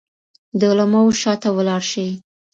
د علماوو شاته ولاړ شئ.